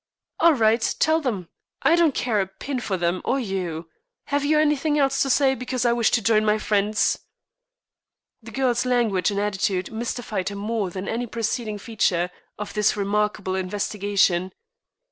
"All right. Tell them. I don't care a pin for them or you. Have you anything else to say, because I wish to join my friends?" The girl's language and attitude mystified him more than any preceding feature of this remarkable investigation.